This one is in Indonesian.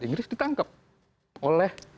inggris ditangkap oleh